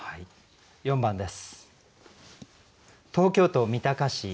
４番です。